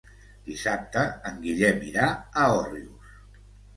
Dissabte en Guillem irà a Òrrius.